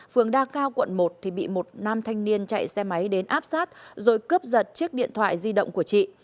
phường đa cao quận một thì bị một nam thanh niên chạy xe máy đến áp sát rồi cướp giật chiếc điện thoại di động của chị